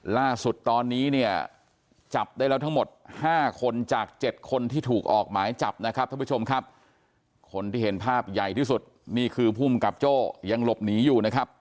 ล่าสุดตอนนี้เนี่ยจับได้แล้วทั้งหมด๕คนจาก๗คนที่ถูกออกหมายจับนะครับท่านผู้ชมครับคนที่เห็นภาพใหญ่ที่สุดนี่คือภูมิกับโจ้ยังหลบหนีอยู่นะครับ